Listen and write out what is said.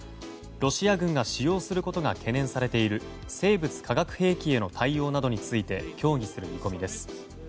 ロシア軍が使用することが懸念されている生物・化学兵器への対応などについて協議する見込みです。